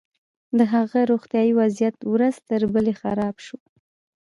د هغه روغتيايي وضعيت ورځ تر بلې خراب شو.